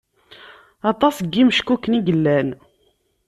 Aṭas n imeckuken i yellan.